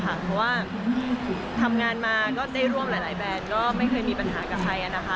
เพราะว่าทำงานมาก็ได้ร่วมหลายแบรนด์ก็ไม่เคยมีปัญหากับใครนะคะ